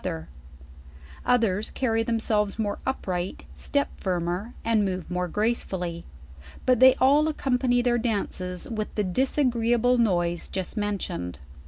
Others carry themselves more upright, step firmer, and move more gracelully; but they all accompany their dances with the disagreeable noise just mentioned.